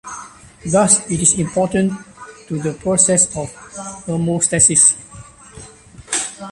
Thus, it is important to the process of hemostasis.